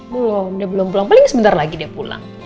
belum dia belum pulang paling sebentar lagi dia pulang